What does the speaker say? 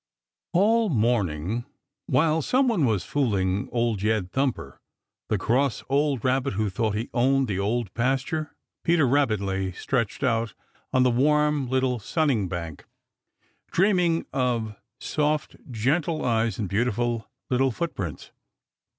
All morning, while someone was fooling Old Jed Thumper, the cross old Rabbit who thought he owned the Old Pasture, Peter Rabbit lay stretched out on the warm little sunning bank, dreaming of soft, gentle eyes and beautiful little footprints.